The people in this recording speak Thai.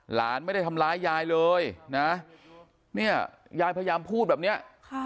หลานไม่ได้ทำร้ายยายเลยนะเนี่ยยายพยายามพูดแบบเนี้ย